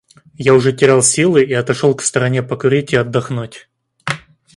Я уже терял силы и отошел к стороне покурить и отдохнуть.